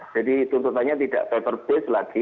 jadi tuntutannya tidak paper based lagi